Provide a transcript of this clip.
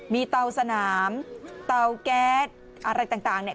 มีเตาสนามเตาแก๊สอะไรต่างเนี่ย